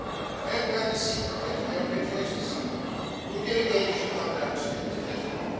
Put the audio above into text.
I am glad to see you Kit, I am rejoiced to see you. Look in again, as you come down stairs, Kit.